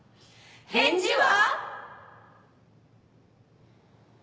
返事は？